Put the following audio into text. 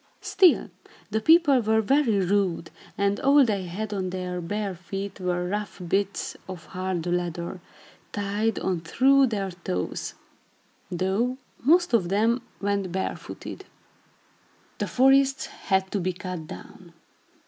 Still, the people were very rude, and all they had on their bare feet were rough bits of hard leather, tied on through their toes; though most of them went barefooted. The forests had to be cut down.